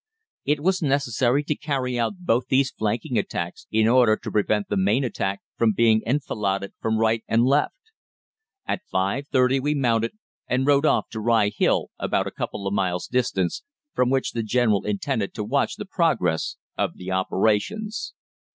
It was necessary to carry out both these flanking attacks in order to prevent the main attack from being enfiladed from right and left. At 5.30 we mounted, and rode off to Rye Hill about a couple of miles distant, from which the General intended to watch the progress of the operations.